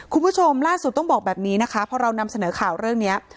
คุณผู้ชมล่าสุดต้องบอกแบบนี้นะคะพอเรานำเสนอข่าวเรื่องนี้